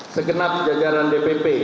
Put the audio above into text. segenap jajaran dpp